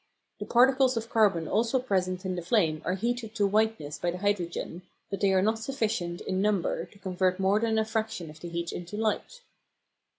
The particles of carbon also present in the flame are heated to whiteness by the hydrogen, but they are not sufficient in number to convert more than a fraction of the heat into light.